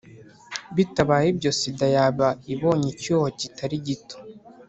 bitabaye ibyo sida yaba ibonye icyuho kitari gito